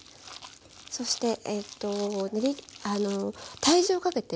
そして体重をかけて。